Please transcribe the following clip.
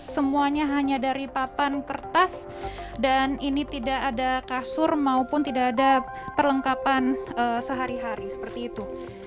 semuanya hanya dari papan kertas dan ini tidak ada kasur maupun tidak ada perlengkapan sehari hari seperti itu